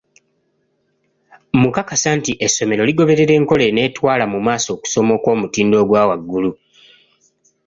Mukakasa nti essomero ligoberera enkola eneetwala mu maaso okusoma okw'omutindo ogwa waggulu.